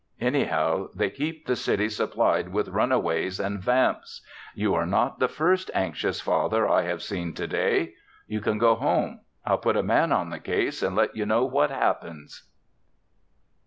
Anyhow, they keep the city supplied with runaways and vamps. You are not the first anxious father I have seen to day. You can go home. I'll put a man on the case and let you know what happens."